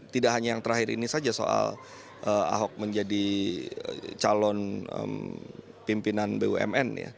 tidak hanya yang terakhir ini saja soal ahok menjadi calon pimpinan bumn